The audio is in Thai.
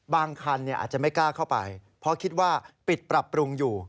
คันอาจจะไม่กล้าเข้าไปเพราะคิดว่าปิดปรับปรุงอยู่